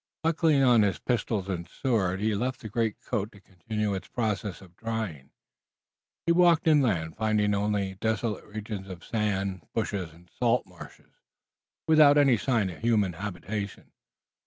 Buckling on his pistols and sword, but leaving the greatcoat to continue its process of drying, he walked inland, finding only a desolate region of sand, bushes and salt marshes, without any sign of human habitation.